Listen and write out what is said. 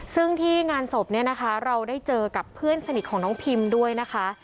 ซึ่งที่งานศพเนี่ยนะคะเราได้เจอกับเพื่อนสนิทของน้องพิมด้วยนะคะ